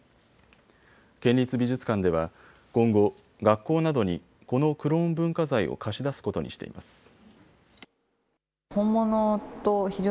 県立美術館では今後、学校などにこのクローン文化財を貸し出すことにしています。